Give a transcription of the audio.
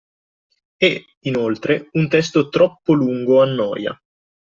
E, inoltre, un testo troppo lungo annoia